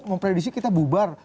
mempredisi kita bubar